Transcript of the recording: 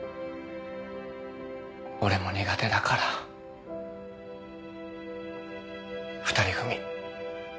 俺も苦手だから２人組。